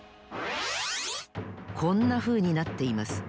こんなふうになっています。